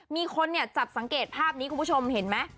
มีคนเนี่ยจับสังเกตภาพนี้คุณผู้ชมเห็นไหม